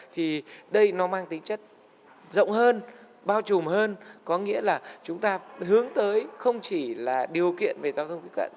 thì đây nó mang tính chất rộng hơn bao trùm hơn có nghĩa là chúng ta hướng tới không chỉ là điều kiện về giao thông tiếp cận